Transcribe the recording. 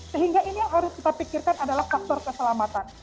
sehingga ini yang harus kita pikirkan adalah faktor keselamatan